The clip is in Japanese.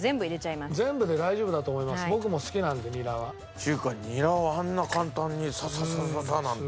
っていうかニラをあんな簡単にサササササなんて。